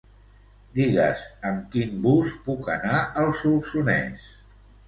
Digues amb quin bus puc anar al Solsonès.